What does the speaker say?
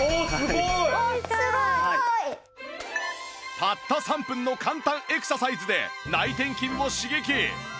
たった３分の簡単エクササイズで内転筋を刺激